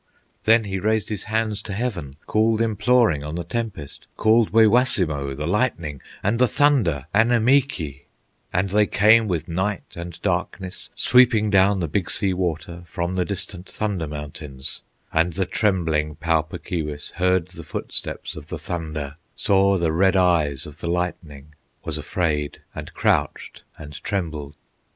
Then he raised his hands to heaven, Called imploring on the tempest, Called Waywassimo, the lightning, And the thunder, Annemeekee; And they came with night and darkness, Sweeping down the Big Sea Water From the distant Thunder Mountains; And the trembling Pau Puk Keewis Heard the footsteps of the thunder, Saw the red eyes of the lightning, Was afraid, and crouched and trembled.